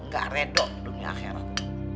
ga redo dunia akhirat